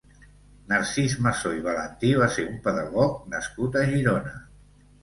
Narcís Masó i Valentí va ser un pedagog nascut a Girona.